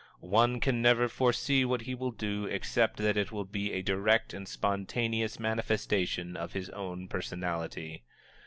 One can never foresee what he will do, except that it will be a direct and spontaneous manifestation of his own personality.